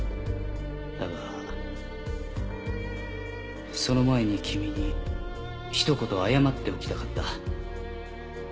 「だがその前に君にひと言謝っておきたかった」